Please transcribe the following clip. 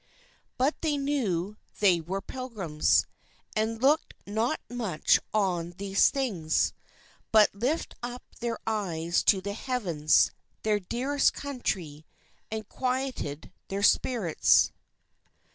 _ _But they knew they were Pilgrims, and looked not much on these things; but lift up their eyes to the Heavens, their dearest country, and quieted their spirits.